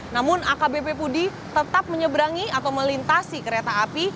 namun akbp budi tetap menyeberangi atau melintasi kereta api